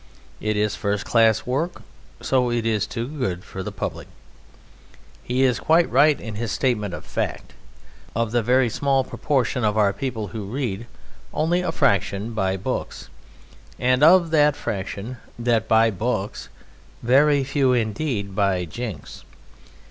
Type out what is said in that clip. It is first class work, so it is too good for the Public." He is quite right in his statement of fact. Of the very small proportion of our people who read only a fraction buy books, and of the fraction that buy books very few indeed buy Jinks's.